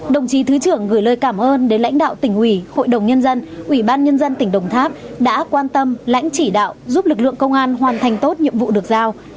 đồng chí thứ trưởng gửi lời cảm ơn đến lãnh đạo tỉnh ủy hội đồng nhân dân ủy ban nhân dân tỉnh đồng tháp đã quan tâm lãnh chỉ đạo giúp lực lượng công an hoàn thành tốt nhiệm vụ được giao